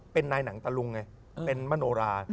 เป็นนายหนังตะลุงไงเป็นมโนรา